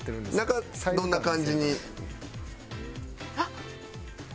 中どんな感じに？